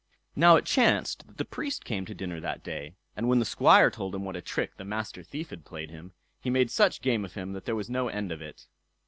Now it chanced that the Priest came to dinner that day, and when the Squire told him what a trick the Master Thief had played him, he made such game of him that there was no end of it.